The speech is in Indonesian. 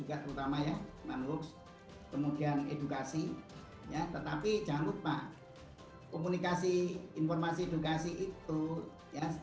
ya terutama yang menurut kemudian edukasi tetapi jangan lupa komunikasi informasi edukasi itu ya